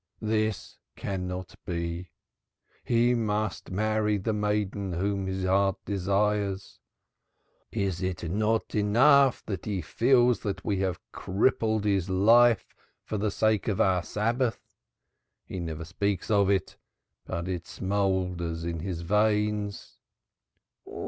"This cannot be. He must marry the maiden whom his heart desires. Is it not enough that he feels that we have crippled his life for the sake of our Sabbath? He never speaks of it, but it smoulders in his veins."